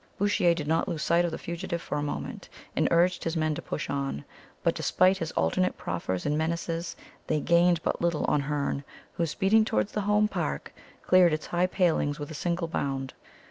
Bouchier did not lose sight of the fugitive for a moment, and urged his men to push on; but, despite his alternate proffers and menaces, they gained but little on Herne, who, speeding towards the home park, cleared its high palings with a single bound.